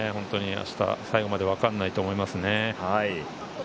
明日、最後まで分からないと思います。